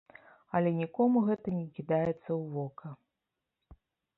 Але нікому гэта не кідаецца ў вока.